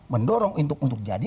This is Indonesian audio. mendorong untuk jadi